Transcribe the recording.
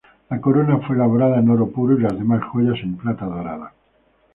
La corona fue elaborada en oro puro y las demás joyas en plata dorada.